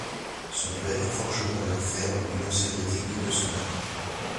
Son père, forgeron et orfèvre, lui enseigne les techniques de son art.